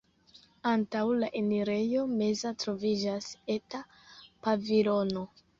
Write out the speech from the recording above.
Antaŭ la enirejo meza troviĝas eta pavilono.